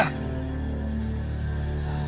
bukankah ini malam jumat